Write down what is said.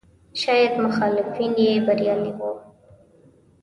شاید مخالفین یې بریالي نه وو.